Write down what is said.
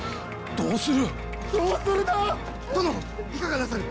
どうする！？